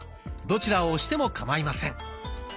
どちらを押してもかまいません。